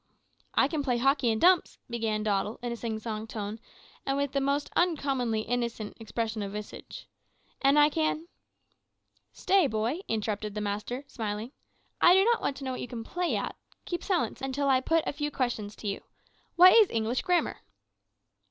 "`I can play hockey and dumps,' began Doddle, in a sing song tone, and with the most uncommonly innocent expression of visage; `an' I can ' "`Stay, boy,' interrupted the master, smiling; `I do not want to know what you can play at. Keep silence until I put a few questions to you. What is English grammar?'